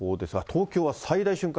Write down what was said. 東京は最大瞬間